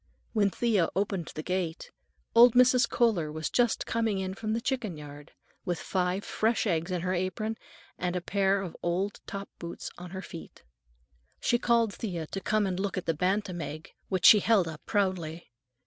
When Thea opened the gate, old Mrs. Kohler was just coming in from the chicken yard, with five fresh eggs in her apron and a pair of old top boots on her feet. She called Thea to come and look at a bantam egg, which she held up proudly.